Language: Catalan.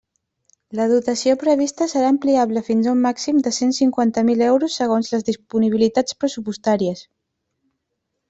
La dotació prevista serà ampliable fins a un màxim de cent cinquanta mil euros segons les disponibilitats pressupostàries.